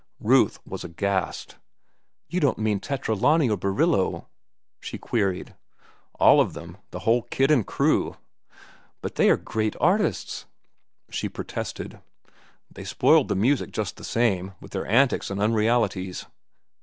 Ruth was aghast. "You don't mean Tetralani or Barillo?" she queried. "All of them—the whole kit and crew." "But they are great artists," she protested. "They spoiled the music just the same, with their antics and unrealities."